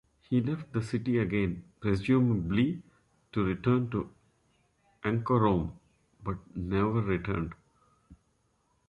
He left the city again, presumably to return to Anchorome, but never returned.